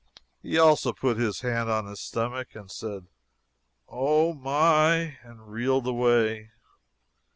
He, also, put his hand on his stomach and said "Oh, my!" and reeled away.